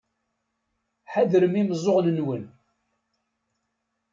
Ḥadrem imeẓẓuɣen-nwen.